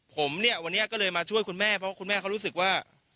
ผมเนี่ยวันนี้ก็เลยมาช่วยคุณแม่เพราะคุณแม่เขารู้สึกว่า